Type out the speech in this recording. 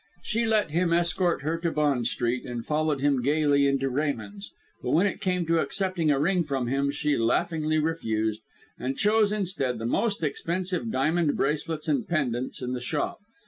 She let him escort her to Bond Street, and followed him gaily into Raymond's; but when it came to accepting a ring from him, she laughingly refused, and chose, instead, the most expensive diamond bracelets and pendants in the shop.